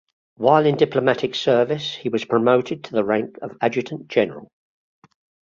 While in diplomatic service he was promoted to the rank of Adjutant General.